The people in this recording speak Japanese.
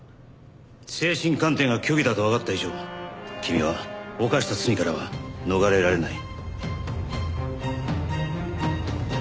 精神鑑定が虚偽だとわかった以上君は犯した罪からは逃れられない。